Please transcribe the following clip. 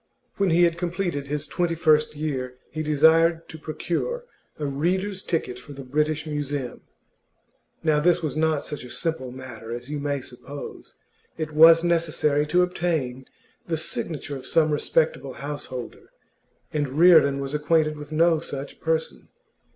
When he had completed his twenty first year, he desired to procure a reader's ticket for the British Museum. Now this was not such a simple matter as you may suppose; it was necessary to obtain the signature of some respectable householder, and Reardon was acquainted with no such person.